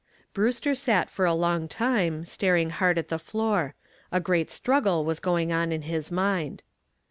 Brewster sat for a long time, staring hard at the floor. A great struggle was going on in his mind.